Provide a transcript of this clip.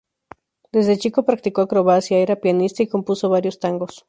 Desde chico practicó acrobacia, era pianista y compuso varios tangos.